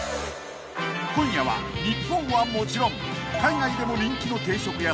［今夜は日本はもちろん海外でも人気の定食屋さん